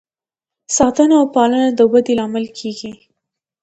ساتنه او پالنه د ودې لامل کیږي.